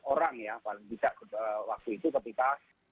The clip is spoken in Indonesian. sebelas orang ya waktu itu ketika